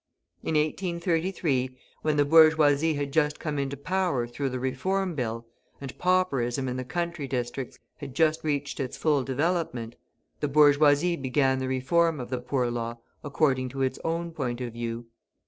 In 1833, when the bourgeoisie had just come into power through the Reform Bill, and pauperism in the country districts had just reached its full development, the bourgeoisie began the reform of the Poor Law according to its own point of view.